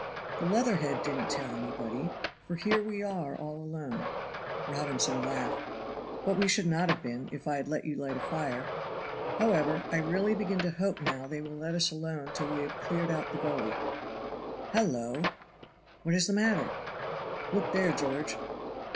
"The leather head didn't tell anybody, for here we are all alone." Robinson laughed. "But we should not have been, if I had let you light a fire. However, I really begin to hope now they will let us alone till we have cleared out the gully. Hallo!" "What is the matter?" "Look there, George."